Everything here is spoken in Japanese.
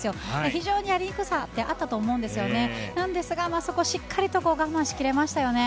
非常にやりにくさってあったと思いますがそこをしっかり我慢しきれましたよね。